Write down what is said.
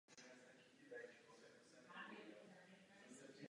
Pojem soudržnost nabyl v Unii zvláštního významu.